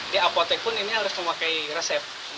di apotek pun ini harus memakai resep